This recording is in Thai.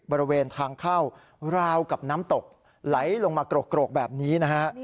บริเวณทางเข้าราวกับน้ำตกไหลลงมาโกรกแบบนี้นะฮะ